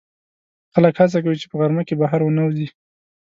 خلک هڅه کوي چې په غرمه کې بهر ونه وځي